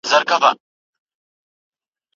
د جنایت لاره مه نیسئ.